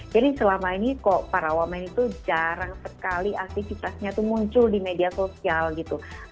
jadi selama ini kok para wamen itu jarang sekali aktivitasnya itu muncul di media sosial gitu